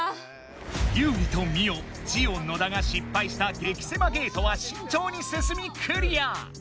ユウリとミオジオ野田が失敗した激せまゲートはしんちょうに進みクリア。